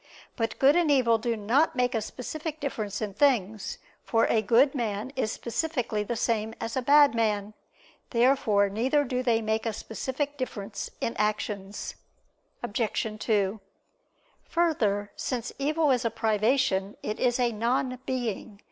But good and evil do not make a specific difference in things; for a good man is specifically the same as a bad man. Therefore neither do they make a specific difference in actions. Obj. 2: Further, since evil is a privation, it is a non being.